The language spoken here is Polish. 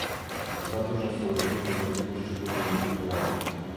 Za duże są różnice między poszczególnymi kulturami